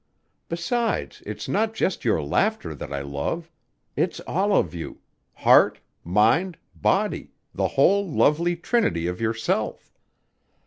Besides, it's not just your laughter that I love. It's all of you: heart, mind, body: the whole lovely trinity of yourself.